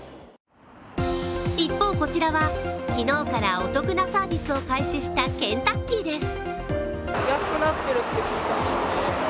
一方、こちらは昨日からお得なサービスを開始したケンタッキーです。